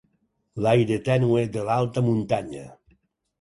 L'aire tènue de l'alta muntanya.